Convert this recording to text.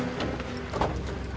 mami ambil tas dulu